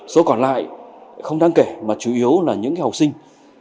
số còn lại không đáng kể mà chủ yếu là những học sinh